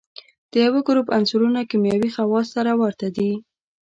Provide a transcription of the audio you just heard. د یوه ګروپ عنصرونه کیمیاوي خواص سره ورته دي.